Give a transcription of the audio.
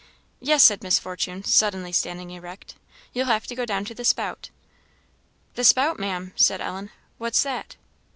"Yes," said Miss Fortune, suddenly standing erect, "you'll have to go down to the spout." "The spout, Maam," said Ellen, "what's that?"